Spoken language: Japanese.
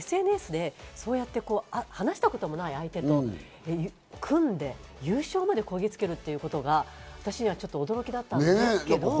ＳＮＳで話したこともない相手と組んで優勝までこぎつけるということが、私にはちょっと驚きだったんですけど。